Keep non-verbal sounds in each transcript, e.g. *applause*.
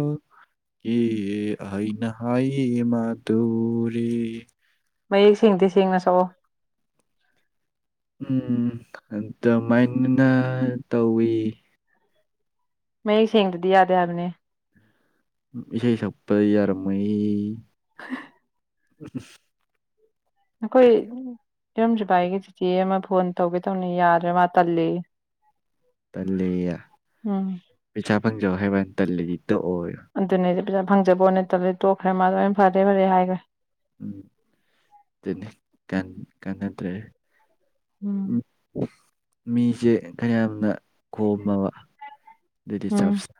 ꯎ ꯀ ꯑꯅꯍꯏ ꯃꯗꯨꯔꯤ ꯃꯌꯦꯛ ꯁꯦꯡꯗꯦ ꯁꯦꯡꯅ ꯁꯛꯑꯣ ꯎꯝ ꯑꯗꯨꯃꯥꯏꯅꯅ ꯇꯧꯋꯤ ꯃ ꯁꯁꯤꯡꯗꯗꯤ ꯌꯥꯗꯕꯅꯦ ꯏꯁꯦ ꯆꯄ ꯑꯔ ꯃ *unintelligible* ꯎꯝ ꯀꯣꯏ ꯏꯔꯝꯗ꯭ꯚꯥꯏ ꯑꯩꯒꯤ ꯆꯤꯆꯦ ꯑꯃ ꯐꯣꯟ ꯇꯧꯒꯦ ꯇꯧꯅꯤ ꯌꯥꯔꯦ ꯃꯥ ꯇꯜꯂꯤ ꯇꯜꯂꯤꯌꯦ ꯎꯝ ꯄꯩꯁꯥ ꯄꯪꯖꯧ ꯍꯥꯏꯩꯕ ꯇꯜꯂꯤꯗꯤꯇ ꯑꯣꯏꯣ ꯄꯖꯥ ꯐꯪꯖꯕꯣ ꯅꯠꯇ꯭ꯔꯗꯗꯤ ꯇꯣꯛꯈ꯭ꯔꯦ ꯃꯥꯗꯣ ꯑꯣꯏꯅ ꯐꯔꯦ ꯐꯔꯦ ꯍꯥꯏꯈ꯭ꯔꯦ ꯎꯝꯅꯤ ꯀꯥꯟꯅꯗ꯭ꯔꯦ ꯎꯝ ꯃꯤꯁꯦ ꯀꯌꯥꯝꯅ ꯈꯣꯝꯃꯕ ꯑꯗꯨꯗꯤ ꯎꯝ ꯆꯞꯁ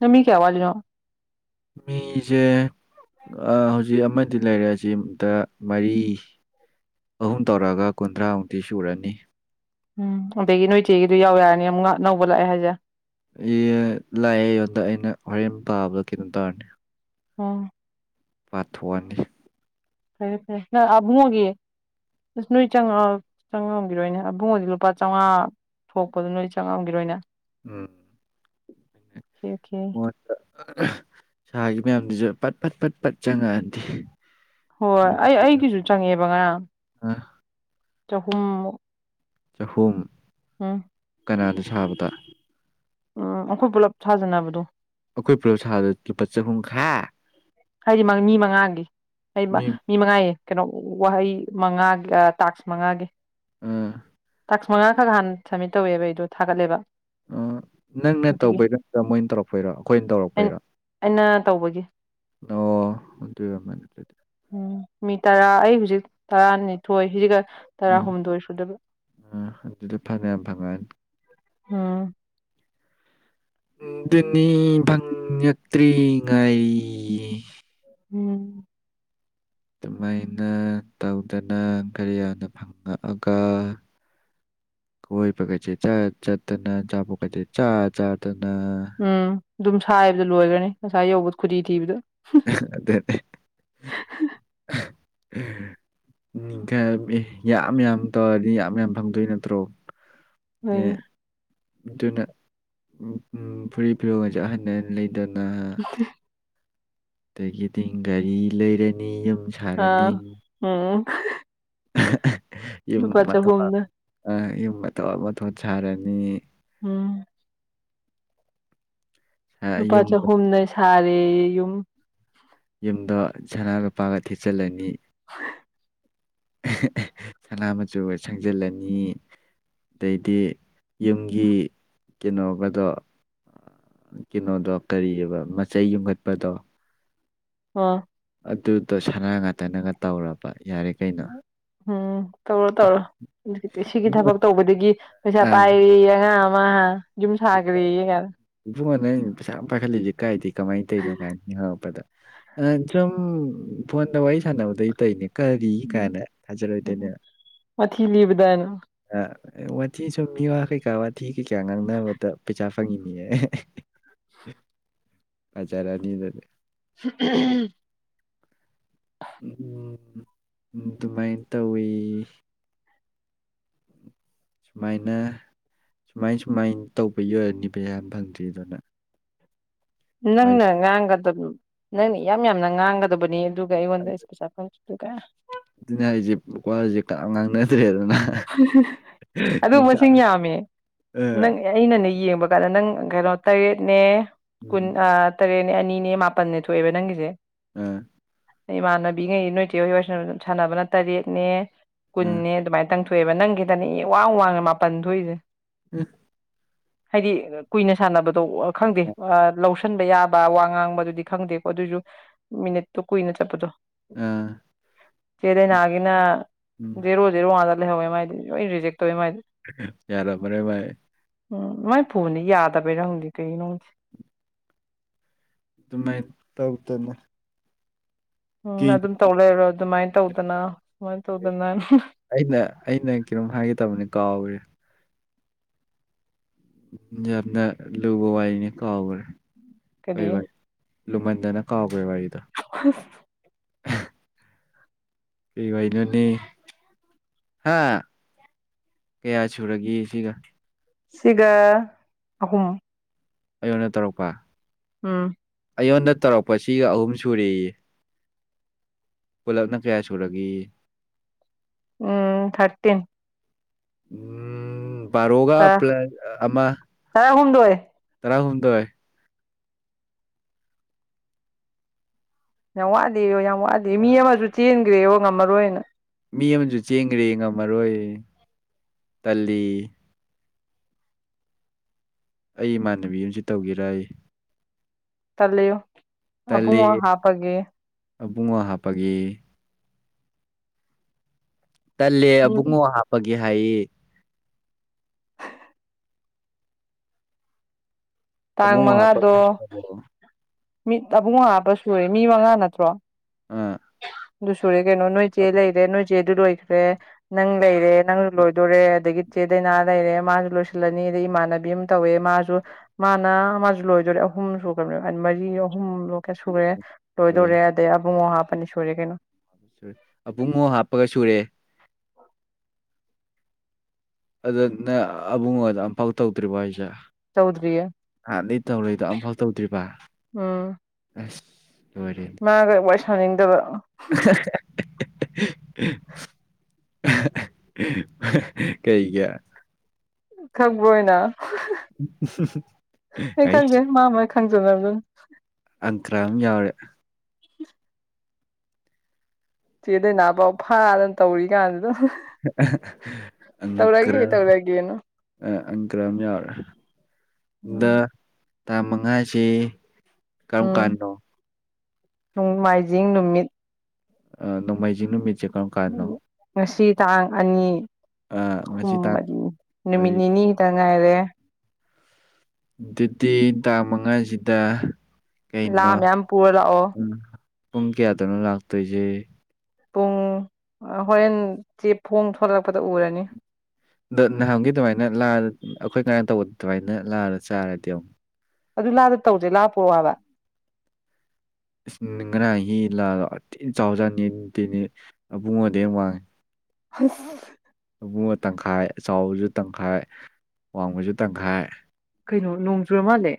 ꯅꯃꯤ ꯀꯌꯥꯋꯥꯖꯅ ꯃꯤꯖꯦ ꯍꯧꯖꯤꯛ ꯑꯃꯗꯤ ꯂꯩꯔꯦꯁꯤ ꯑꯗ ꯃꯔꯤ ꯑꯍꯨꯝ ꯇꯧꯔꯛꯑꯒ ꯀꯨꯟꯊ꯭ꯔꯥꯃꯨꯛꯇꯤ ꯁꯨꯔꯅꯤ ꯎꯝ ꯑꯗꯒꯤ ꯅꯣꯏꯆꯦꯒꯤꯗꯨ ꯌꯥꯎ ꯌꯥꯔꯅꯤ ꯑꯃꯨꯛ ꯉꯍꯥꯛ ꯅꯧꯕ ꯂꯥꯛꯑꯦ ꯍꯥꯏꯁꯦ ꯂꯥꯏꯑꯉꯣꯟꯗ ꯑꯩꯅ ꯍꯣꯔꯦꯟ ꯄꯥꯕꯗꯣ ꯀꯩꯅꯣ ꯇꯧꯔꯅꯤ ꯑ ꯄꯥꯊꯣꯛꯑꯅꯤ ꯐꯔ ꯐ ꯅ ꯑꯕꯣꯒ ꯑꯁ ꯅꯣꯏ ꯆꯪꯉ ꯆꯪꯉꯝꯈꯤꯔꯣꯏꯅꯦ ꯏꯕꯨꯡꯉꯗꯤ ꯂꯨꯄꯥ ꯆꯥꯝꯃꯉꯥ ꯊꯣꯛꯄꯗꯨꯣ ꯅꯣꯏ ꯆꯪꯉꯝꯈꯤꯔꯣꯏꯅꯦ ꯎꯝ ꯑꯣꯦ ꯑꯣꯀꯦ ꯁꯥꯒꯤ ꯃꯌꯥꯝꯗꯨꯁꯨ ꯄꯠ ꯐꯠ ꯐꯠ ꯄꯠ ꯆꯪꯉꯛꯑꯗꯤ ꯍꯣꯏ ꯑꯩ ꯑꯩꯒꯤꯁꯨ ꯆꯪꯉꯦꯕ ꯉꯔꯥꯡ ꯑ, ꯆ ꯍꯨꯝ ꯆꯍꯨꯝ ꯑꯥ ꯀꯅꯥꯗꯤ ꯁꯥꯕꯗꯥ ꯑꯥ ꯑꯩꯈꯣꯏ ꯄꯨꯂꯞ ꯁꯥꯖꯤꯟꯅꯕꯗꯣ ꯑꯈꯣꯏ ꯄꯨꯂꯞ ꯁꯥꯕꯗ ꯂꯨꯄꯥ ꯆꯍꯨꯝ ꯈꯛ ꯍꯥꯏꯗꯤ ꯃꯤ ꯃꯉꯥꯒꯤ ꯃꯤ ꯃꯉꯥꯒꯤꯅꯦ ꯀꯩꯅꯣ ꯋꯥꯍꯩ ꯃꯉꯥ ꯇꯥꯛꯀꯁ ꯃꯉꯥꯒꯤ ꯑꯥ *unintelligible* ꯅꯍꯥꯟ ꯁꯝꯃꯤꯠ ꯇꯧꯋꯦꯕ ꯑꯩꯗꯣ ꯊꯥꯒꯠꯂꯦꯕ ꯑꯣ ꯅꯪꯅ ꯑꯗꯨꯒꯤ ꯇꯧꯕꯩꯔꯣ ꯃꯣꯏꯅꯥ ꯇꯧꯔꯛꯄꯩꯔꯣ ꯑꯩꯈꯣꯏꯅ ꯑꯩꯅ ꯇꯧꯔꯛꯄꯩꯔꯣ ꯑꯩꯅ ꯇꯧꯕꯒꯤ ꯑꯣ ꯑꯗꯨꯏ ꯑꯣꯔꯝꯃꯅꯤ ꯑꯗꯨꯏꯗꯤ ꯎꯝ ꯃꯤ ꯇꯔꯥ ꯑꯩ ꯍꯧꯖꯤꯛ ꯇꯔꯥꯅꯤꯊꯣꯏ ꯁꯤꯒ ꯎꯝ ꯇꯔꯥꯍꯨꯝꯗꯣꯏ ꯁꯨꯗꯣꯏꯕ ꯎꯝ ꯑꯗꯨꯗꯥ ꯐꯅꯥꯌꯥꯝ ꯐꯉꯛꯑꯅꯤ ꯑꯝ ꯑꯝ ꯗꯨꯗꯤ ꯐꯪꯉꯛꯇ꯭ꯔꯤ ꯉꯥꯏꯔꯤꯌꯦ ꯎꯝ ꯑꯗꯨꯃꯥꯏꯅ ꯇꯧꯗꯅ ꯒꯥꯔꯤ ꯌꯥꯝꯅ ꯐꯪꯉꯛꯑꯒꯥ ꯀꯣꯏꯕ ꯀꯥꯁꯦ ꯆꯠ ꯆꯠꯇꯅ ꯆꯥꯄꯣꯠ ꯀꯥꯁꯦ ꯆꯥ ꯆꯥꯗꯅ ꯎꯝ ꯑꯗꯨꯝ ꯁꯥꯏꯕꯗ ꯂꯣꯏꯈ꯭ꯔꯅꯤ ꯑꯁꯥꯏ ꯌꯧꯕꯗ ꯈꯨꯗꯤ ꯊꯤꯕꯗ ꯑꯗꯨꯅꯤ *unintelligible* ꯌꯥꯝ ꯌꯥꯝ ꯇꯧꯔꯗꯤ ꯌꯥꯝ ꯌꯥꯝ ꯐꯪꯗꯣꯏ ꯅꯠꯇ꯭ꯔꯣ ꯑꯦ ꯍꯣꯏꯅꯦ ꯑꯗꯨꯅ ꯐꯨꯔꯤꯠ ꯐꯤꯔꯣꯜ ꯀꯥꯁꯦ ꯑꯍꯟ ꯑꯍꯟꯕ ꯂꯩꯗꯅ *unintelligible* ꯗꯒꯤꯗꯤ ꯒꯥꯔꯤ ꯂꯩꯔꯅꯤ ꯌꯨꯝ ꯑꯥ ꯁꯥꯔꯅꯤ ꯎꯝ ꯌꯨꯝ ꯂꯨꯄꯥ ꯃꯊꯣꯟ ꯆꯍꯨꯝꯅ ꯑꯥ ꯌꯨꯝ ꯃꯊꯣꯟ ꯃꯊꯣꯟ ꯁꯥꯔꯅꯤ ꯎꯝ ꯁꯥ ꯅꯨꯨꯄꯥ ꯌꯨꯝ ꯆꯥꯍꯨꯝꯅꯥ ꯁꯥꯔꯦꯌꯦ ꯌꯨꯝ ꯌꯨꯝꯗ ꯁꯅꯥ ꯂꯨꯄꯥꯒꯥ ꯊꯤꯠꯆꯤꯜꯂꯅꯤ *unintelligible* ꯁꯅꯥ ꯃꯆꯨꯒꯥ ꯁꯪꯖꯤꯜꯂꯅꯤ ꯑꯗꯩꯗꯤ ꯌꯨꯝꯒꯤ ꯀꯩꯅꯣꯒꯗꯣ ꯀꯩꯅꯣꯗꯣ ꯀꯔꯤꯌꯥꯕ ꯃꯆꯩ ꯌꯨꯡꯈꯠꯄꯗꯣ ꯑꯥ ꯑꯗꯨꯗꯣ ꯁꯅ ꯉꯇꯥꯅꯒ ꯇꯧꯔꯥꯕ ꯀꯩꯅꯣ ꯎꯝ ꯇꯧꯔꯣ ꯇꯧꯔꯣ ꯁꯤꯒꯤ ꯏꯕꯨꯡꯉꯣ. ꯊꯕꯛ ꯇꯧꯕꯗꯒꯤ ꯄꯩꯁꯥ ꯑꯥ ꯄꯥꯏꯔꯦꯌꯦ ꯑꯉꯥꯡ ꯑꯃꯥ ꯑꯤ ꯌꯨꯝ ꯁꯥꯈ꯭ꯔꯦꯌꯦ ꯀꯥꯏꯅꯥ ꯏꯕꯨꯡꯉꯣ ꯅꯪ ꯄꯩꯁꯥ ꯌꯝ ꯄꯥꯏꯈꯠꯂꯤꯁꯦ ꯀꯥꯏꯗꯩ ꯀꯃꯥꯏ ꯇꯧꯔꯤꯅꯣ ꯀꯥꯏꯅ ꯍꯪꯉꯛꯄꯗ ꯑꯁꯨꯝ ꯐꯣꯟꯗꯥ ꯋꯥꯔꯤ ꯁꯥꯟꯅꯕꯗꯩ ꯇꯩꯢꯅꯦ ꯀꯔꯤ ꯀꯥꯏꯅ ꯊꯥꯖꯔꯣꯏꯗꯧꯅꯦ ꯎꯝ ꯋꯥꯊꯤ ꯂꯤꯕꯗꯅ ꯋꯥꯊꯤ ꯁꯨꯝ ꯃꯤꯋꯥ ꯀꯩꯀꯥ ꯋꯥꯊꯤ ꯀꯩꯀꯥ ꯉꯥꯡꯅꯕꯗ ꯄꯩꯁꯥ ꯐꯪꯉꯤꯅꯦ ꯍꯖꯔꯥꯅꯤꯗꯨꯗꯤ *unintelligible* ꯎꯝ ꯑꯗꯨꯃꯥꯏꯅ ꯇꯧꯋꯦ ꯁꯨꯃꯥꯏꯅ ꯁꯨꯃꯥꯏ ꯁꯨꯃꯥꯏꯅ ꯇꯧꯕꯒꯤ ꯑꯣꯏꯔꯝꯅꯤ ꯄꯩꯁꯥ ꯐꯪꯗ꯭ꯔꯤꯗꯣ ꯅꯪ ꯅꯪꯅ ꯉꯥꯡꯒꯗꯕ ꯅꯪꯅ ꯏꯌꯥꯝ ꯌꯥꯝꯅ ꯉꯥꯡꯒꯗꯕꯅꯦ ꯑꯗꯨꯒ ꯑꯩꯉꯣꯟꯗ ꯄꯩꯁꯥ ꯐꯪ *unintelligible* ꯑꯗꯨꯅꯤ ꯍꯥꯏꯁꯦ ꯋꯥꯁꯦ ꯀꯅꯥꯝ ꯉꯥꯡꯅꯗ꯭ꯔꯦ ꯑꯗꯨ ꯃꯁꯤꯡ ꯌꯥꯝꯃꯦ ꯑ ꯅꯪꯅꯥ ꯑꯩꯅꯅꯦ ꯌꯦꯡꯕ *unintelligible* ꯅꯪ ꯀꯩꯅꯣ ꯇꯔꯦꯠꯅꯦ ꯎꯝ ꯀꯨꯟ ꯇꯔꯦꯠꯅꯦ ꯑꯅꯤꯅꯦ ꯃꯥꯄꯜꯅꯦ ꯊꯣꯛꯑꯦꯕ ꯅꯪꯒꯤꯁꯦ ꯑꯥ ꯏꯃꯥꯟꯅꯕꯤꯉꯩ ꯅꯣꯏ ꯇ ꯍ ꯍ ꯑꯗꯨꯝ ꯁꯥꯟꯅꯕꯅ ꯇꯔꯦꯠꯅꯦ ꯑ ꯀꯨꯟꯅꯦ ꯑꯗꯨꯃꯥꯏꯅ ꯇꯪ ꯊꯣꯛꯑꯕ ꯅꯪꯒꯤꯗꯅꯦ ꯋꯥꯡ ꯋꯥꯡꯉꯦ ꯃꯥꯄꯟ ꯊꯣꯛꯏꯁꯦ ꯎꯝ ꯍꯥꯏꯗꯤ ꯀꯨꯏꯅ ꯁꯥꯟꯅꯕꯗꯣ ꯈꯪꯗꯦ ꯂꯧ ꯁꯟꯕ ꯌꯥꯕ ꯋꯥ ꯉꯥꯡꯕ ꯑꯗꯨꯗꯤ ꯈꯪꯗꯦꯀꯣ ꯑꯗꯨꯁꯨ ꯃꯤꯅꯤꯠꯇꯣ ꯀꯨꯏꯅ ꯆꯠꯄꯗꯣ ꯑ ꯆꯗꯅꯒꯤꯅ ꯎꯝ ꯖꯦꯔꯣꯖꯦꯔꯣ ꯋꯥꯗ ꯂꯩꯍꯧꯦ ꯃꯥꯏꯗꯤ ꯂꯣꯏ ꯔꯤꯖꯦꯛ ꯇꯧꯋꯦ ꯃꯥꯏꯗꯤ ꯌꯥꯔꯕꯔꯦ ꯥꯏ ꯎꯝ ꯃꯥꯏ ꯐꯨꯕꯗꯤ ꯌꯥꯗꯕꯩꯔꯪꯗꯤꯦ ꯀꯩꯒꯤꯅꯣꯁꯦ ꯑꯗꯨꯃꯥꯏꯅ ꯇꯧꯗꯅ ꯎꯝ ꯀꯤꯅꯤ ꯑꯗꯨꯝ ꯇꯧ ꯂꯩꯔꯣ ꯑꯗꯨꯃꯥꯏꯅ ꯇꯧꯗꯅ ꯁꯨꯃꯥꯏꯅ ꯇꯧꯗꯅ ꯑꯩꯅ ꯑꯩꯅ ꯀꯩꯅꯝ ꯍꯥꯏꯒ ꯇꯕꯅꯤ ꯀꯥꯎ꯭ꯔꯦ ꯅ ꯂꯨꯕꯣ ꯋꯥꯏꯅꯤ ꯈꯕꯔ ꯀꯗꯤ ꯂꯨꯃꯟꯗꯅ ꯀꯥꯎꯈ꯭ꯔꯦ ꯋꯥꯔꯤꯗ ꯀꯩ ꯍꯥꯏꯩꯅꯣꯅꯦ ꯍꯥ ꯀꯌꯥ ꯁꯨꯔꯒꯁꯤꯒ ꯁꯤꯒ ꯑꯍꯨꯝ ꯑꯩꯉꯣꯟ ꯑꯣꯏꯅ ꯇꯧꯔꯛꯄ ꯎꯝ ꯑꯩꯉꯣꯟꯗ ꯇꯧꯔꯛꯄꯁꯤꯒ ꯑꯍꯨꯝ ꯁꯨꯔꯦꯏ ꯄꯨꯜꯂꯞꯅ ꯀꯌꯥ ꯁꯨꯔꯒꯦ ꯎꯝ ꯊꯥꯔꯇꯤꯟ ꯎꯝ ꯕꯥꯔꯣꯒ ꯇꯔꯥ ꯄ꯭ꯂꯁ ꯑꯃ ꯇꯔꯥꯍꯨꯝꯗꯣꯏ ꯇꯔꯥꯍꯨꯝ ꯏ ꯌꯥꯝ ꯋꯥꯠꯂꯤꯦ ꯌꯥꯝ ꯋꯥꯠꯂꯤꯦ ꯃꯤ ꯑꯃꯁꯨ ꯆꯦꯟꯈ꯭ꯔꯦꯕ ꯉꯝꯃꯔꯣꯏꯅ ꯃꯤ ꯑꯃꯁꯨ ꯆꯦꯡꯈ꯭ꯔꯦ ꯉꯝꯃꯔꯣꯏ ꯇꯜꯂꯤ ꯑꯩ ꯏꯃꯥꯟꯅꯕꯤ ꯑꯃꯁꯨ ꯇꯧꯒꯦꯔ ꯑꯩ ꯇꯂꯦꯣ ꯑꯕꯨꯡ ꯇꯜꯂꯤ ꯍꯥꯄꯒꯦ ꯑꯕꯨꯡꯉꯣ ꯍꯥꯞꯄꯒꯤ ꯇꯜꯂꯦ ꯎꯝ ꯑꯕꯨꯡꯉꯣ ꯍꯥꯞꯄꯒꯦ ꯍꯥꯏꯌꯦ ꯑꯗꯨꯕꯨꯨꯡ ꯃ ꯍꯥꯣ ꯃꯤꯠ ꯑꯥꯕꯨꯡ ꯍꯥꯥꯞꯕ ꯁꯨꯔꯦ ꯃꯤ ꯃꯉꯥ ꯅꯠꯇ꯭ꯔꯣ ꯑꯥ ꯑꯗꯨ ꯁꯨꯔꯦ ꯀꯩꯅꯣ ꯅꯣꯏ ꯆꯦ ꯂꯩꯔꯦ ꯅꯣꯏ ꯆꯦ ꯑꯗꯨ ꯂꯣꯏꯈ꯭ꯔꯦ ꯅꯪ ꯂꯩꯔꯦ ꯅꯪ ꯂꯣꯏꯗꯣꯔꯦ ꯑꯗꯒꯤ ꯆꯦꯗꯅꯥ ꯂꯩꯔꯦ ꯃꯥꯁꯨ ꯂꯣꯏꯁꯤꯜꯂꯅꯤ ꯑꯗꯩ ꯏꯃꯥꯟꯅꯕꯤ ꯑꯃ ꯇꯧꯋꯦ ꯃꯥꯁꯨ ꯃꯥꯅ ꯃꯥꯁꯨ ꯂꯣꯏꯗꯔꯦ ꯑꯣ ꯑꯍꯨꯝ ꯁꯨꯈꯅꯦ ꯃꯔꯤ ꯑꯍꯨꯝ ꯂꯣꯛ ꯀ ꯁꯨꯔꯦ ꯁꯨꯔꯦ ꯂꯣꯏꯗꯣꯔꯦ ꯑꯗꯩ ꯑꯕꯨꯡꯉ ꯍꯥꯞꯄꯅꯤ ꯁꯨꯔꯦ ꯀꯩꯅꯣ ꯑꯕꯨꯡꯉꯣꯛ ꯍꯥꯞꯄꯒ ꯁꯨꯔꯦ ꯑꯗꯨꯗ ꯅꯪ ꯑꯕꯨꯡꯉꯣꯟꯗ ꯑꯃꯝꯐꯥꯎ ꯇꯧꯗ꯭ꯔꯤꯕꯣ ꯍꯥꯏꯁꯦ ꯇꯧꯗ꯭ꯔꯤꯌꯦ ꯍꯥꯟꯗꯤ ꯇꯧꯔꯏꯗꯣ ꯑꯃꯝꯐꯥꯎ ꯇꯧꯗ꯭ꯔꯤꯔꯤꯕ ꯎꯝ ꯑꯁ ꯃꯥꯒ ꯋꯥꯔꯤ ꯁꯥꯅꯤꯡꯗꯕ *inaudible* ꯀꯩ ꯀꯌꯥ ꯈꯛꯕ ꯑꯣꯏꯅ ꯑꯩ ꯈꯪꯗꯦ ꯑꯩꯁ ꯃꯥꯃ ꯊꯥꯡꯖꯅꯒꯨꯝ ꯄꯟꯇ꯭ꯔꯥ ꯑꯃ ꯌꯥꯎꯔꯦ ꯆꯦꯗ ꯅꯥ ꯄꯥꯎ ꯐꯥꯗꯅ ꯇꯧꯔꯤ ꯀꯥꯟꯁꯤꯗ ꯑꯀ꯭ꯔ ꯇꯧꯔꯒꯦ ꯇꯧꯔꯒꯦꯅ ꯑꯪ ꯈꯔ ꯑꯃ ꯌꯥꯎꯔꯦ ꯑꯗ ꯎꯝ ꯊꯥ ꯃꯉꯥꯁꯤ ꯀꯔꯝ ꯎꯝ ꯀꯥꯟꯗꯣ ꯅꯣꯡꯃꯥꯏꯖꯤꯡ ꯅꯨꯃꯤꯠ ꯑ ꯅꯣꯡꯃꯥꯏꯖꯤꯡ ꯅꯨꯃꯤꯠꯁꯦ ꯀꯔꯝ ꯀꯥꯟꯅꯣ ꯉꯁꯤ ꯇꯥꯡ ꯑꯅꯤ ꯑ, ꯉꯁꯤ ꯇꯥꯡ ꯎꯗꯤ ꯅꯨꯃꯤꯠ ꯃꯔꯤ ꯅꯤꯅꯤ ꯈꯤꯇ ꯉꯥꯏꯔꯦ ꯑꯗꯨꯗꯤ ꯇꯥꯡ ꯃꯉꯥꯁꯤꯗ ꯂꯥ ꯀꯩꯅꯣ ꯃꯌꯥꯝ ꯄꯨꯔ ꯂꯥꯛꯑꯣ ꯎꯝ, ꯄꯨꯡ ꯀꯌꯥꯗꯧꯅꯣ ꯂꯥꯛꯇꯣꯏꯁꯦ ꯄꯨꯡ ꯍꯣꯔꯦꯟ ꯆꯦꯐꯣꯡ ꯊꯂꯛꯄꯗ ꯎꯔꯅꯤ ꯑꯗꯣ ꯅꯍꯥꯟꯒꯤ ꯑꯗꯨꯃꯥꯏꯅ ꯂꯥꯛꯑ ꯑꯩꯈꯣꯏ ꯀꯔ ꯇꯧꯕ ꯑꯗꯨꯃꯥꯏꯅ ꯂꯥꯛꯑꯒ ꯆꯥꯔꯗꯤ ꯑꯃꯨ ꯑꯗꯨ ꯂꯥꯗ ꯇꯧꯁꯦ ꯂꯥꯄꯣ ꯍꯥꯏꯕ ꯑ ꯉꯔꯥꯡ ꯍꯤ ꯂꯥꯗꯣꯇꯤꯝ ꯆꯥꯎꯖꯥꯅꯤꯇꯤꯅꯤ ꯏꯕꯨꯡꯉꯣꯗꯤ ꯌꯥꯝ ꯋꯥꯡꯉꯤ ꯍꯁ ꯃꯨꯕ ꯇꯪꯈꯥꯏ ꯆꯥꯎꯕꯁꯨ ꯇꯪꯈꯥꯏ ꯋꯥꯡꯕꯁꯨ ꯇꯪꯈꯥꯏ ꯅꯣꯡꯖꯨꯔ ꯃꯥꯂꯦ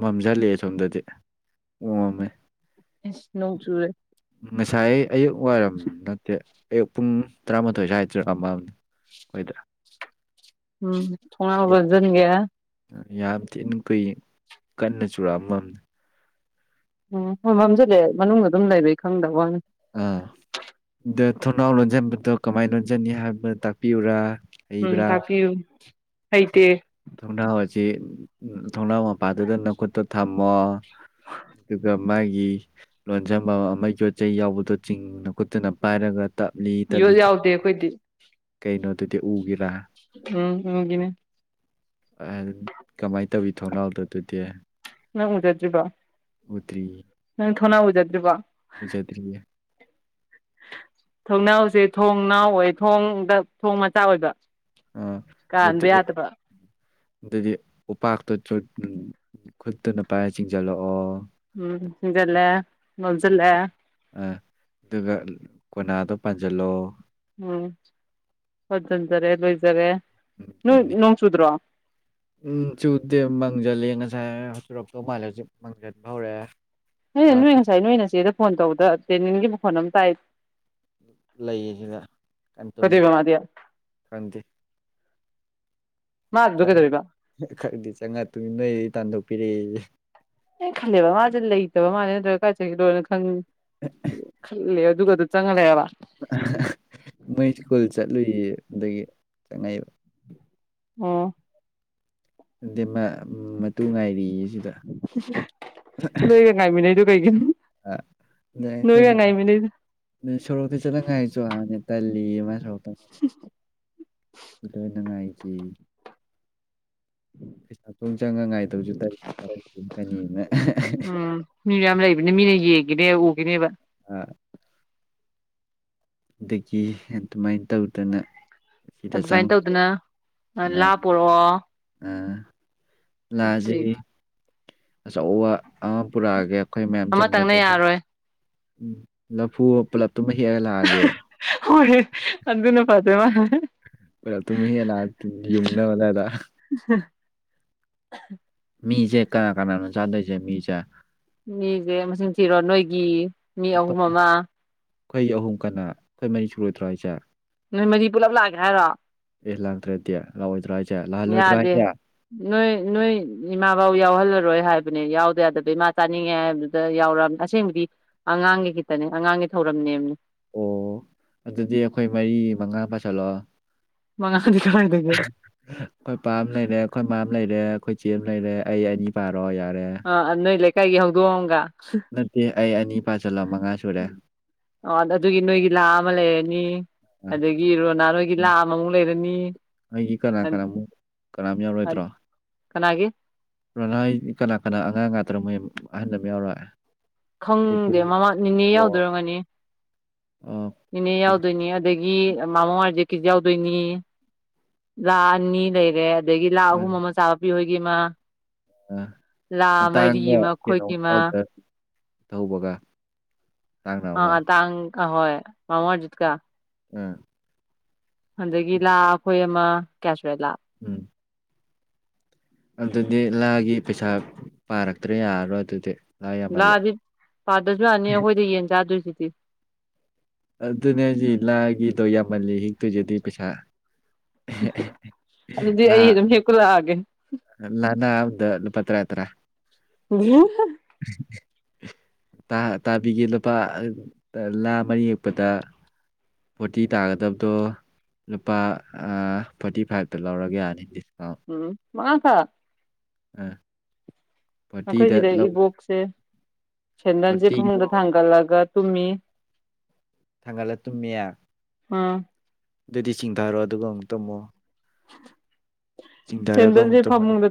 ꯃꯝꯖꯜꯂꯦ ꯁꯣꯝꯗꯗꯤ ꯎꯉꯝꯃꯦ ꯅꯧ ꯆꯨꯔꯦ ꯉꯥꯏ ꯑꯌꯨꯛ ꯋꯥꯏꯔꯝ ꯅꯠꯇꯦ ꯑꯌꯨꯛ ꯄꯨꯡ ꯇꯔꯥꯃꯥꯊꯣꯏ ꯁ꯭ꯋꯥꯏꯗꯔꯥ ꯑꯩꯣꯏꯗ ꯎꯝ ꯊꯣꯡꯅꯕꯒꯖꯟꯒꯦ ꯌꯥꯝ ꯊꯤꯟ ꯀꯨꯏ ꯀꯟꯅ ꯆꯨꯔꯛꯑꯃꯝ ꯎꯝ ꯃꯐꯝꯁꯨꯗꯤ ꯃꯅꯨꯡꯗ ꯑꯗꯨꯝ ꯂꯩꯕꯩ ꯈꯪꯗꯕ ꯋꯥꯅꯤ ꯑꯥ ꯑꯗ ꯊꯣꯡꯅꯥꯎ ꯂꯣꯟꯁꯤꯟꯕꯗꯣ ꯀꯃꯥꯏꯅ ꯂꯣꯟꯁꯤꯟꯅꯤ ꯍꯥꯏꯕꯗꯨ ꯇꯥꯛꯄꯤꯌꯨꯔꯥ ꯎꯝ ꯍꯩꯕ꯭ꯔꯥ ꯇꯥꯛꯄꯤꯌꯨ ꯍꯇꯦ ꯊꯣꯡꯅꯥꯎ ꯑꯁꯤ ꯊꯣꯡꯅꯥꯎ ꯃꯄꯥꯗꯨꯗ ꯅꯀꯨꯠꯇ ꯊꯝꯃꯣ ꯑꯗꯨꯒ ꯃꯥꯒꯤ ꯂꯣꯟꯖꯕ ꯑꯃꯒꯤ ꯄꯣꯠꯆꯩ ꯌꯥꯎꯕꯗꯣ ꯆꯤꯡꯅ ꯀꯣꯠꯇꯨꯅ ꯄꯥꯏꯔꯒ ꯇꯞꯂꯤ ꯇꯞꯂꯤ ꯌꯣꯠ ꯌꯥꯎꯗꯦ ꯑꯩꯈꯣꯏꯗꯤ ꯀꯩꯅꯣꯗꯨꯗꯤ ꯎꯒꯤꯔꯥ ꯎꯝ ꯍꯒꯅꯦ ꯀꯃꯥꯏꯅ ꯇꯧꯋꯤ ꯊꯣꯡꯅꯥꯎꯗ ꯑꯗꯨꯗꯤ ꯅ ꯎꯖꯠꯖꯤꯕ ꯎꯠꯇ꯭ꯔꯤ ꯅꯪ ꯊꯣꯅꯥ ꯎꯖꯗ꯭ꯔꯤꯕ ꯆ ꯊꯦ ꯊꯣꯡꯅꯥꯎꯁꯦ ꯊꯣꯡ ꯅꯥꯎ ꯑꯣꯏ ꯊꯣꯡꯗ ꯊꯣꯡ ꯃꯆꯥ ꯑꯣꯏꯕ ꯑꯥ ꯑꯗꯨꯗꯤ ꯀꯥꯟꯕ ꯌꯥꯗꯕ ꯑꯗꯨꯗꯤ ꯎꯄꯥꯛꯇꯣ ꯈꯨꯠꯇꯨꯅ ꯄꯥꯏꯔ ꯆꯤꯡꯁꯤꯜꯂꯛꯑꯣ ꯎꯝꯒꯂꯦ ꯃꯖꯂꯦ ꯑ ꯑꯗꯨꯒ ꯀꯣꯅꯥꯗꯣ ꯄꯥꯟꯁꯤꯜꯂꯣ ꯎꯝ ꯐꯣꯏꯠꯖꯤꯟꯖꯔꯦ ꯂꯣꯏꯖꯔꯦ ꯑꯗꯨꯅꯤ ꯅꯣꯡ ꯆꯨꯗ꯭ꯔꯣ ꯎꯝ ꯆꯨꯗꯦ ꯃꯥꯡꯁꯤꯜꯂ ꯉꯁꯥꯏ ꯆꯨꯔꯞꯇꯧ ꯃꯥꯜꯂꯁꯨ ꯃꯥꯡꯁꯤꯟ ꯍꯧꯔꯦ ꯍ ꯅꯣꯏ ꯉꯁꯥꯏ ꯅꯣꯏꯅ ꯆꯦꯗ ꯐꯣꯟ ꯇꯧꯕꯗ ꯇꯦꯅꯤꯒꯤ ꯃꯈꯣꯟꯜ ꯑꯃ ꯇꯥꯏ ꯂꯩꯁꯤꯗ ꯀꯩꯅ ꯇꯨꯝꯃꯤ ꯀꯩꯗꯧꯕ ꯃꯥꯗꯤ ꯈꯪꯗꯦ ꯃꯥꯗꯨꯗ ꯀꯩꯗꯧꯔꯤꯕ ꯈꯔꯗꯤ ꯆꯪꯉꯛꯇꯣꯏꯅꯤ ꯅꯣꯏ ꯇꯥꯟꯊꯣꯛꯄꯤꯔꯛꯏꯁꯦ ꯑꯦ ꯈꯜꯂꯦꯕ ꯃꯥꯁꯦ ꯂꯩꯇꯕ ꯃꯥꯜꯅꯦ ꯅꯠꯇ꯭ꯔ ꯀꯥꯏꯆꯒꯗꯣꯅ ꯈꯪ ꯈꯜꯂꯦ ꯑꯗꯨꯒꯗꯣ ꯆꯪꯍꯜꯂꯦꯕ ꯃꯣꯏ ꯁ꯭ꯀꯨꯜ ꯆꯠꯂꯨꯏꯌꯦꯗꯒꯤ ꯆꯪꯉꯛꯏꯑꯕ ꯑꯣꯝ ꯑꯗꯤ ꯃꯇꯨꯡ ꯉꯥꯏꯔꯤ ꯅꯣꯏꯒ ꯉꯥꯏꯃꯤꯟꯅꯩꯗꯨ ꯀꯩꯒꯤꯅꯣ ꯑ ꯌꯥꯏ ꯐ ꯅꯣꯏꯒ ꯑꯗꯨ ꯉꯥꯏꯃꯤꯟꯅꯩꯗꯣ ꯁꯣꯔꯣꯛꯇꯤ ꯆꯠꯅꯈꯥꯏꯁꯨ ꯍꯅꯤ ꯇꯜꯂꯤ ꯃꯥꯥꯏ ꯁꯣꯔꯣꯛꯇ ꯏꯇꯅ ꯉꯏꯆꯦ ꯇꯜꯂꯤ ꯀꯅꯤꯅ ꯎꯝ ꯎꯝ ꯃꯤ ꯌꯥꯝ ꯂꯩꯕꯅꯦ ꯃꯤꯅ ꯌꯦ ꯏꯅꯦ ꯎꯒꯤꯅꯦꯕ ꯑꯝ ꯑꯗꯒꯤ ꯑꯗꯨꯃꯥꯏꯅ ꯇꯧꯗꯅ ꯁꯤꯗ ꯑꯗꯨꯃꯥꯏꯅ ꯆꯪꯉ ꯂꯩ ꯇꯧꯗꯅ ꯂꯥ ꯁꯨꯃꯥꯏꯅ ꯄꯔꯛꯑꯣ ꯂꯥꯁꯤ ꯑꯆꯧꯕ ꯑꯃ ꯄꯨꯔꯛꯑꯒꯦ ꯑꯩꯈꯣꯏ ꯃꯌꯥꯝ ꯑꯃꯇꯪꯅ ꯆꯟꯒꯗꯕ ꯌꯥꯔꯣꯏ ꯎ ꯂꯐꯨ ꯄꯨꯂꯞ ꯍꯅꯦ ꯑꯗꯨꯅ ꯄꯖꯦ ꯃꯥ ꯄꯨꯂ ꯇꯨꯃꯤ ꯍ ꯂ ꯌꯨꯝꯅ ꯃꯂꯗ *inaudible* ꯃꯤꯁꯦ ꯀꯅꯥ ꯀꯅꯥꯅꯣ ꯆꯥꯗꯣꯏꯁꯦ ꯃꯤꯁꯦ ꯃꯤꯁꯦ ꯃꯁꯤꯡ ꯊꯤꯔꯣ ꯅꯣꯏꯒꯤ ꯃꯤ ꯑꯩꯈꯣꯏ ꯑꯍꯨꯝ ꯑꯃ ꯑꯩꯈꯣꯏ ꯑꯍꯨꯝ ꯀꯅꯥ ꯑꯩꯈꯣꯏ ꯃꯔꯤ ꯁꯨꯔꯨꯔꯣꯏꯗ꯭ꯔꯣ ꯍꯥꯏꯁꯦ ꯅꯣꯏ ꯃ ꯄꯨꯂꯞ ꯂꯥꯛꯒꯦ ꯍꯥꯏꯔꯣ ꯑꯦ ꯂꯪꯗ꯭ꯔꯦꯗꯤꯦ ꯂꯥꯎꯑꯣꯏꯗ꯭ꯔꯥ ꯌꯥꯗꯦ ꯅꯣꯏ ꯅꯣꯏ ꯏꯃꯥꯕꯎ ꯌꯥꯎꯍꯜꯂꯔꯣꯏ ꯍꯥꯏꯕꯅꯦ ꯌꯥꯎꯗ ꯌꯥꯗꯕ ꯏꯃꯥ ꯆꯥꯅꯤꯡꯉꯦ ꯍꯥꯏꯕꯗꯨꯗ ꯌꯥꯎꯔꯛꯑꯕꯅꯤ ꯑꯁꯦꯡꯕꯗꯤ ꯑꯉꯥꯡꯒꯤ ꯈꯤꯇꯅꯦ ꯑꯉꯥꯡꯒꯤ ꯊꯧꯔꯛ ꯝ ꯑꯣ ꯑꯗꯨꯗꯤ ꯑꯩꯈꯣꯏ ꯃꯔꯤ ꯃꯉꯥ ꯄꯥꯁꯤꯜꯂꯣꯑꯣ ꯃꯪ ꯑꯩꯈꯣꯏ ꯏꯄꯥꯝ ꯂꯩꯔꯦ ꯑꯩꯈꯣꯏ ꯏꯃꯥꯝ ꯂꯩꯔꯦ ꯑꯩꯈꯣꯏ ꯏꯆꯦ ꯑꯃ ꯂꯩꯔꯦ ꯑꯩ ꯑꯅꯤ ꯄꯥꯝꯔꯦ ꯭ꯔꯣ ꯌꯥꯔꯦ ꯀꯩꯒꯤ ꯍꯧꯗꯣꯡꯑꯝꯒ ꯅꯠꯇꯦ ꯑꯩ ꯑꯅꯤ ꯄꯥꯁꯤꯜꯂꯝꯃ ꯑꯣ ꯑꯗꯨꯒꯤ ꯅꯣꯏꯒꯤ ꯂꯥ ꯑꯃ ꯂꯩꯔꯅꯤ ꯑꯗꯒꯤ ꯔꯣꯅꯥ ꯅꯣꯏꯒꯤ ꯂꯥꯑ ꯑꯃꯃꯨꯛ ꯂꯩꯔꯅꯤ ꯑꯩꯒꯤ ꯀꯅꯥ ꯀꯅꯥꯃꯨ ꯀꯅꯥꯝ ꯌꯥꯎꯔꯣꯏꯗ꯭ꯔꯣ ꯀꯅꯥꯒꯤ ꯔꯣꯅꯥ ꯀꯅꯥ ꯀꯅꯥ ꯑꯉꯥꯡ ꯉꯥꯛꯇꯔ ꯃꯣꯏ ꯑꯍꯟ ꯑꯃ ꯌꯥꯎꯔꯣꯏ꯫ ꯄꯨꯄꯨ ꯈꯪꯗꯦ ꯃꯃꯥꯡ ꯅꯤꯅꯦ ꯌꯥꯎꯗꯣꯏ ꯑꯣꯏꯔꯝꯅꯤ꯫ ꯏꯅꯦ ꯌꯥꯎꯗꯣꯏꯅꯤ ꯑꯗꯒꯤ ꯃꯃꯣ ꯍꯥꯏꯖꯤ ꯀꯦꯖꯤ ꯌꯥꯎꯗꯣꯏꯅꯤ ꯂꯥ ꯑꯅꯤ ꯂꯩꯔꯦ ꯑꯗꯒꯤ ꯂꯥ ꯑꯍꯨꯝ ꯑꯃ ꯆꯥꯕ ꯄꯤꯍꯣꯏ ꯒꯤꯃ ꯑ ꯇꯥꯡꯒ ꯀꯩꯅꯣ ꯑꯩꯈꯣꯏꯒꯤ ꯑꯃ ꯌꯥꯎꯗ꯭ꯔꯥ ꯇꯧꯕꯒ ꯑ ꯑ ꯇꯥꯡ ꯑꯥ ꯍꯣꯏ ꯃꯃ‌ꯣ ꯑꯥ꯭ꯔꯖꯤꯠꯀ ꯎꯝ ꯑꯗꯒꯤ ꯂꯥ ꯑꯩꯈꯣꯏ ꯑꯃ ꯀꯌꯤ ꯁꯨꯔ‌ꯦ ꯂꯥ ꯎꯝ ꯑꯗꯨꯗꯤ ꯂꯥꯒꯤ ꯄꯩꯁꯥ ꯄꯥꯔꯛꯇ꯭ꯔꯦ ꯌꯥꯔꯔꯣꯏ ꯑꯗꯨꯗꯤ ꯂꯥ ꯌꯥꯝꯃꯜꯂꯦ ꯂꯥꯗꯤ ꯄꯥꯗꯁꯨ ꯌꯥꯅꯤ ꯑꯩꯈꯣꯏꯗ ꯌꯦꯟ ꯆꯥꯗꯣꯏꯁꯤꯗꯤ ꯑꯗꯨꯅꯦ ꯍꯥꯏꯖ‌ꯦ ꯂꯥꯒꯤꯗꯣ ꯌꯥꯝꯃꯜꯂꯤ ꯍ‌ꯦꯛꯇꯣꯏꯁꯤ ꯑꯗꯨꯏ ꯄꯩꯁꯥ ꯑꯗꯨꯗꯤ ꯂꯥ ꯑꯩ ꯑꯗꯨꯝ ꯍꯦꯛꯄ ꯂꯥꯛꯑꯒꯦ ꯂꯥꯅꯥ ꯑꯃꯥꯗ ꯂꯨꯄꯥ ꯇꯥꯔꯥ ꯇꯥꯔꯥ *inaudible* *unintelligible* ꯇꯥ ꯇꯥꯕꯤꯒꯦ ꯂꯨꯄꯥ ꯂꯥ ꯃꯔꯤ ꯍ‌ꯦꯛꯄꯗ ꯐꯣꯔꯇꯤ ꯇꯥꯒꯗꯕꯗꯣ ꯂꯨꯄꯥ ꯐꯣ꯭ꯔꯇꯤ ꯐꯥꯏꯚꯇ ꯂꯧꯔꯒ‌ꯦ ꯌꯥꯅꯤ ꯎꯝ ꯃꯥꯉꯥ ꯈꯛ ꯎꯝ ꯑꯩꯈꯣꯏ ꯁꯤꯗ ꯏꯕꯣꯛꯁꯦ ꯁꯦꯟꯗꯟꯁꯦ ꯐꯣꯔꯇꯤꯒꯤꯗꯣ ꯐꯃꯨꯡꯗ ꯊꯥꯡꯒꯠꯂꯒ ꯇꯨꯝꯃꯤ ꯊꯥꯡꯒꯠꯂ ꯇꯨꯝꯃꯦ ꯎꯝ ꯑꯗꯨꯗꯤ ꯆꯤꯡꯊꯔꯣ ꯑꯗꯨꯒ ꯑꯃꯨꯛ ꯇꯝꯃꯣ *unintelligible* ꯆꯤꯡ ꯊꯔꯒ ꯑꯃꯨꯛ ꯁꯦꯟꯗꯟꯁꯦ ꯇꯨꯝꯍꯜꯂ‌ꯣ ꯐꯃꯨꯡꯗ